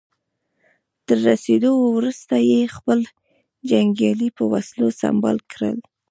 تر رسېدو وروسته يې خپل جنګيالي په وسلو سمبال کړل.